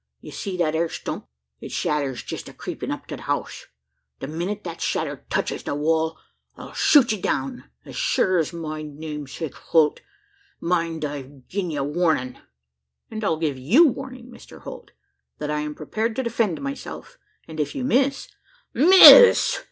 You see that ere stump? Its shadder's jest a creepin' up to the house: the minnit that shadder touches the wall, I'll shoot you down, as sure's my name's Hick Holt. Mind, I've gin ye warnin'!" "And I give you warning, Mr Holt, that I am prepared to defend myself; and if you miss " "Miss!"